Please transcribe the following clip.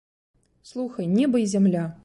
Слухай, неба і зямля!